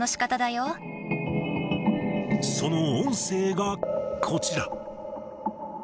その音声がこちら。